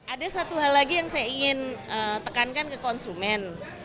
ada satu hal lagi yang saya ingin tekankan ke konsumen